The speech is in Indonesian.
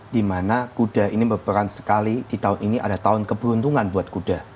di mana kuda ini berperan sekali di tahun ini ada tahun keberuntungan buat kuda